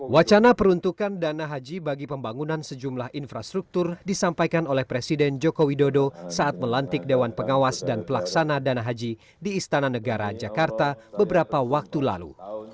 wacana peruntukan dana haji bagi pembangunan sejumlah infrastruktur disampaikan oleh presiden joko widodo saat melantik dewan pengawas dan pelaksana dana haji di istana negara jakarta beberapa waktu lalu